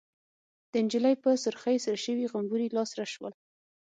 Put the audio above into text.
د نجلۍ په سرخۍ سره شوي غومبري لاسره شول.